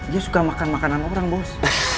dia suka makan makanan orang bos